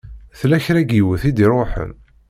Tella kra n yiwet i d-iṛuḥen?